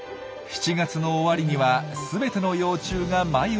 ７月の終わりには全ての幼虫が繭になり。